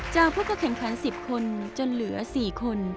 เจ้าพวกก็แข่งขัน๑๐คนจนเหลือ๔คน